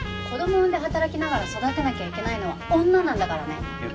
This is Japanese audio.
子供産んで働きながら育てなきゃいけないのは女なんだからね。